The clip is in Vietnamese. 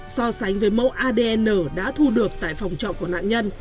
so sánh với mẫu adn đã thu được tại phòng trọ của nạn nhân